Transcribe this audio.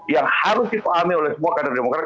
yang harus dipahami oleh semua kader demokrat